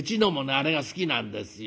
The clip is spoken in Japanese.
あれが好きなんですよ。